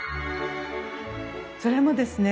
それもですね